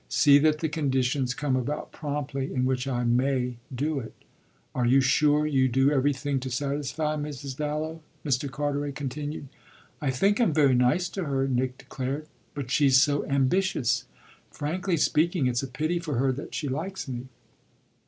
See that the conditions come about promptly in which I may, do it. Are you sure you do everything to satisfy Mrs. Dallow?" Mr. Carteret continued. "I think I'm very nice to her," Nick declared. "But she's so ambitious. Frankly speaking, it's a pity for her that she likes me."